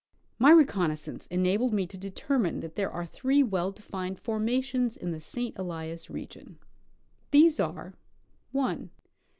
My reconnoissance enabled ixie to determine that there are three well defined formations in the St. Elias region. These are — 1.